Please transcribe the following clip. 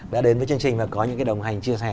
đã đến với chương trình và có những cái đồng hành chia sẻ